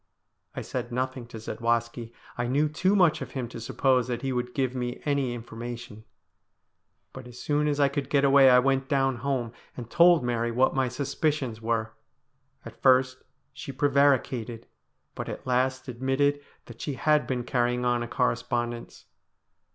I said nothing to Zadwaski. I knew too much of him to suppose that he would give me any in formation. But as soon as I could get away I went down home, and told Mary what my suspicions were. At first she pre varicated, but at last admitted that she had been carrying on a correspondence.